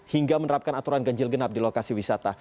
hingga menerapkan aturan ganjil genap di lokasi wisata